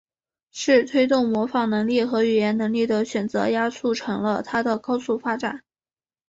是推动模仿能力和语言能力的选择压促成了它的高速发展。